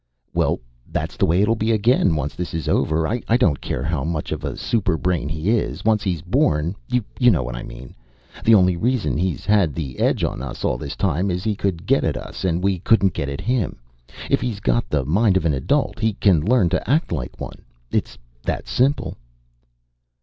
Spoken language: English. "Well, that's the way it'll be again, once this is over. I don't care how much of a superbrain he is, once he's born you know what I mean? The only reason he's had the edge on us all this time is he could get at us and we couldn't get at him. If he's got the mind of an adult, he can learn to act like one. It's that simple."